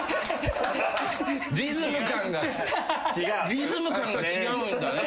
リズム感が違うんだね